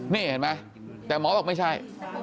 นี่เห็นไหมแต่หมอบอกไม่ใช่